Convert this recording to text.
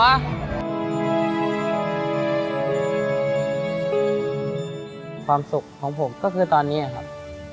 ความสุขของผมก็คือตอนนี้ครับ